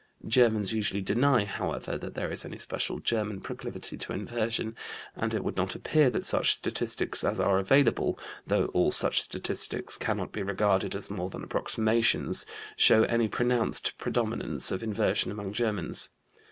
Germans usually deny, however, that there is any special German proclivity to inversion, and it would not appear that such statistics as are available (though all such statistics cannot be regarded as more than approximations) show any pronounced predominance of inversion among Germans.